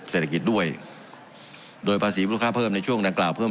เศรษฐกิจด้วยโดยภาษีมูลค่าเพิ่มในช่วงดังกล่าวเพิ่ม